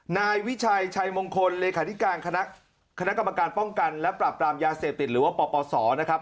นายวิชัยชัยมงคลเลขาธิการคณะกรรมการป้องกันและปรับปรามยาเสพติดหรือว่าปปศนะครับ